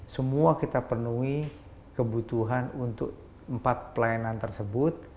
semua kita penuhi kebutuhan untuk empat pelayanan tersebut